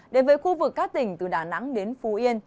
đến với khu vực các tỉnh từ đà nẵng đến phú yên